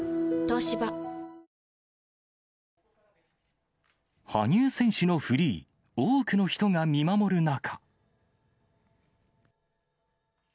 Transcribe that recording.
東芝羽生選手のフリー、多くの人が見守る中。